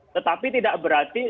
tetapi tidak berarti